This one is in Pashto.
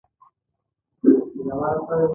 دوه سوه پنځوس سهامي شرکتونه هم وو